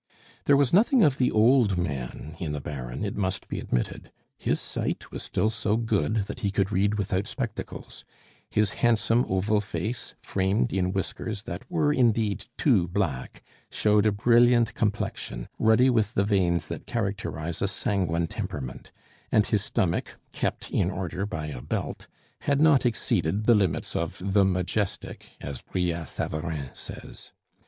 There was nothing of the old man in the Baron, it must be admitted; his sight was still so good, that he could read without spectacles; his handsome oval face, framed in whiskers that were indeed too black, showed a brilliant complexion, ruddy with the veins that characterize a sanguine temperament; and his stomach, kept in order by a belt, had not exceeded the limits of "the majestic," as Brillat Savarin says.